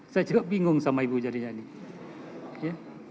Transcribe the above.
saya juga bingung sama ibu jadinya nih